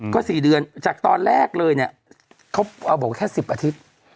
ก็๔เดือนจากตอนแรกเลยเนี่ยเขาเอาบอกแค่๑๐อาทิตย์